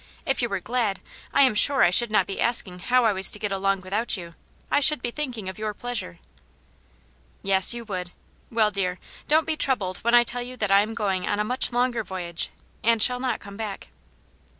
If you were glad, I am sure I should not be asking how I was to get along without you. I should be think ing of yoiif pleasure." " Yes, you would. Well, dear, don't be troubled when I tell you that I am going on a much longer voyage, and shall not come back."